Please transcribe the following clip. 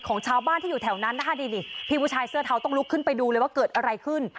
ของชาวบ้านที่อยู่แถวนั้นนะคะนี่พี่ผู้ชายเสื้อเทาต้องลุกขึ้นไปดูเลยว่าเกิดอะไรขึ้น